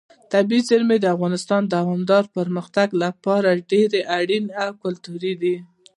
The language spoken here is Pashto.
طبیعي زیرمې د افغانستان د دوامداره پرمختګ لپاره ډېر اړین او ګټور دي.